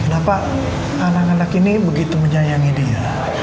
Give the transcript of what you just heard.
kenapa anak anak ini begitu menyayangi dia